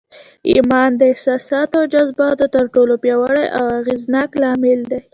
ايمان د احساساتو او جذباتو تر ټولو پياوړی او اغېزناک لامل دی.